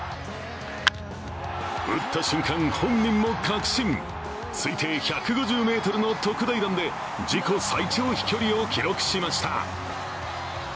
打った瞬間、本人も確信、推定１５０ｍの特大弾で自己最長飛距離を記録しました。